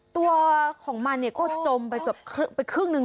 ตัวของมันก็จมไปเกือบครึ่งนึง